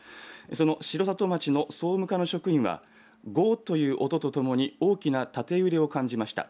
その城里町の総務課の職員はゴーッという音とともに大きな縦揺れを感じました。